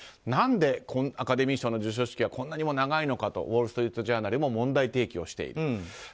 何でアカデミー賞の授賞式はこんなにも長いのかとウォール・ストリート・ジャーナルも問題提起をしている。